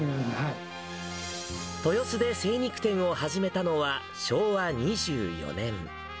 豊洲で精肉店を始めたのは昭和２４年。